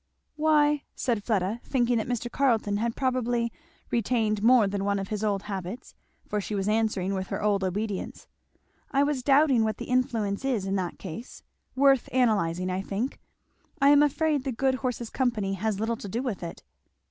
"Why," said Fleda, thinking that Mr. Carleton had probably retained more than one of his old habits, for she was answering with her old obedience, "I was doubting what the influence is in that case worth analyzing, I think. I am afraid the good horse's company has little to do with it."